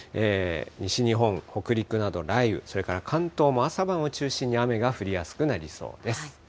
西日本、北陸など雷雨、それから関東も朝晩を中心に雨が降りやすくなりそうです。